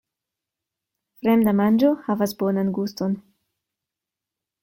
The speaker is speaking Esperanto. Fremda manĝo havas bonan guston.